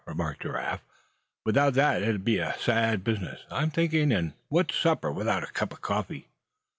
remarked Giraffe. "Without that, it'd be a sad business, I'm thinking. And what's supper, without a cup of coffee?"